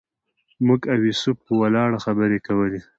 موږ او یوسف په ولاړه خبرې کولې.